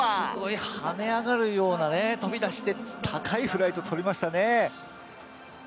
すごい、跳ね上がるような飛び出しで高いフライト、とりましたね。